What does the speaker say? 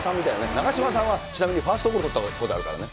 長嶋さんはちなみに、ファーストゴロ捕ったことあるからね。